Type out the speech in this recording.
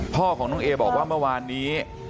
พ่อของน้องเอบอกว่าเมื่อวานนี้